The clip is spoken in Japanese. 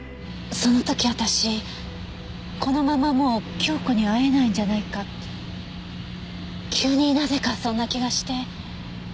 その時私このままもう京子に会えないんじゃないかって急になぜかそんな気がして。